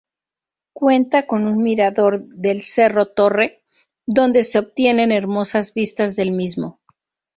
Cuenta con un mirador del Cerro Torre donde se obtienen hermosas vistas del mismo.